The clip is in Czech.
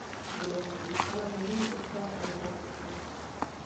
Budova získala nový obklad a nová okna.